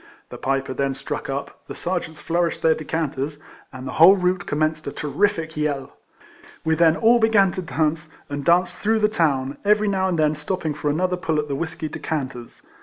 The Piper then struck up, the Sergeants flourished KIFLEMAN HAREIS. 11 their decanters, and the whole route com menced a terrific yell. We then all began to dance, and danced through the town, every now and then stopping for another pull at the whiskey decanters.